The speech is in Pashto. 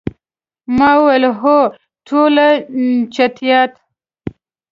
ما وویل، هو، ټولې چټیات.